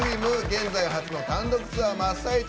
現在、初の単独ツアー真っ最中。